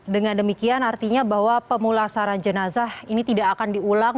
dengan demikian artinya bahwa pemulasaran jenazah ini tidak akan diulang